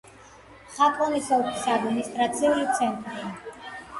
ხატლონის ოლქის ადმინისტრაციული ცენტრი.